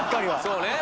そうね。